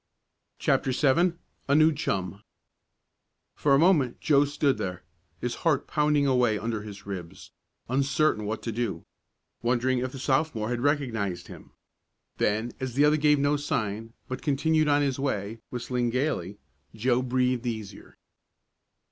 CHAPTER VII A NEW CHUM For a moment Joe stood there, his heart pounding away under his ribs, uncertain what to do wondering if the Sophomore had recognized him. Then, as the other gave no sign, but continued on his way, whistling gaily, Joe breathed easier.